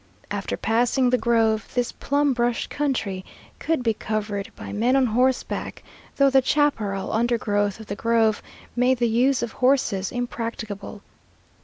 After passing the grove, this plum brush country could be covered by men on horseback, though the chaparral undergrowth of the grove made the use of horses impracticable.